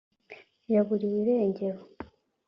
yaburiwe irengero